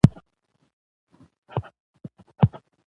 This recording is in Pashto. تاریخ د ټولو افغانانو د معیشت یوه بنسټیزه او رښتینې سرچینه ګڼل کېږي.